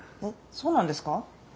そうなんですか？